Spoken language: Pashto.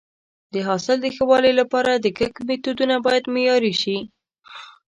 د حاصل د ښه والي لپاره د کښت میتودونه باید معیاري شي.